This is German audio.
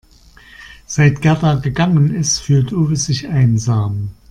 Seit Gerda gegangen ist, fühlt Uwe sich einsam.